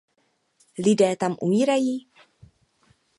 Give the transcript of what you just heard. Lidé tam umírají!